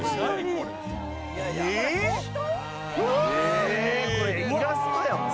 これイラストやんもう。